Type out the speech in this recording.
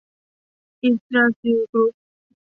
อิ๊กดราซิล กรุ๊ป